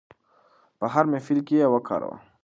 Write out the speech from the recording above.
په هر محفل کې یې وکاروو.